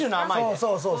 そうそうそう。